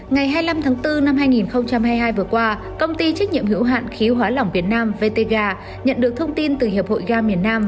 ngày hai mươi năm tháng bốn năm hai nghìn hai mươi hai vừa qua công ty trách nhiệm hữu hạn khí hóa lỏng việt nam vtga nhận được thông tin từ hiệp hội ga miền nam